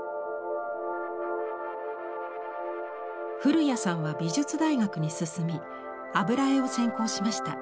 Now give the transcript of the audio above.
古屋さんは美術大学に進み油絵を専攻しました。